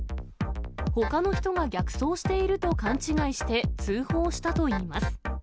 ほかの人が逆走していると勘違いして、通報したといいます。